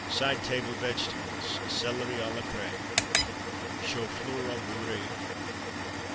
Side Table Vegetables. Céleri à la Crême. Choux Fleurs au beurre.